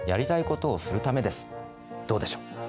どうでしょう？